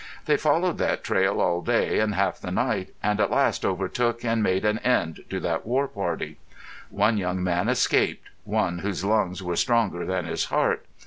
They followed that trail all day and half the night, and at last overtook and made an end to that war party. One young man escaped, one whose lungs were stronger than his heart.